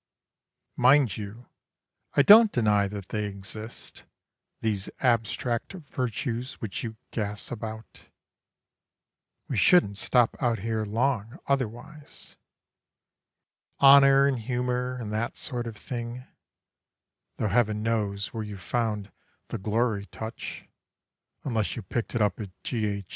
Mind you, I don't deny that they exist, These abstract virtues which you gas about (We shouldn't stop out here long, otherwise!) Honour and humour, and that sort of thing; (Though heaven knows where you found the glory touch, Unless you picked it up at G.H.